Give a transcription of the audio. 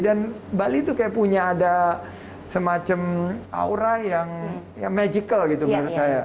dan bali tuh kayak punya ada semacam aura yang magical gitu menurut saya